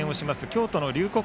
京都の龍谷